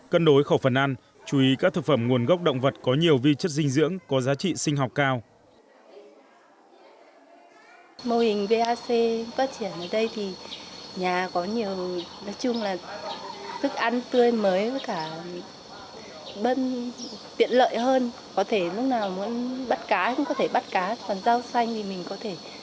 cân đối khẩu phần ăn chú ý các thực phẩm nguồn gốc động vật có nhiều vi chất dinh dưỡng có giá trị sinh học cao